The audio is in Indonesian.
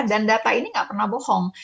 dan data ini enggak pernah bohong